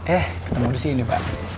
eh ketemu disini pak